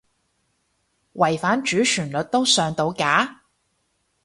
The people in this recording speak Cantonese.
違反主旋律都上到架？